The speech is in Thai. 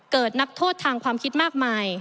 นักโทษทางความคิดมากมาย